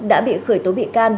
đã bị khởi tố bị can